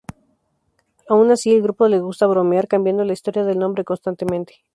Aun así, al grupo les gusta bromear, cambiando la historia del nombre constantemente.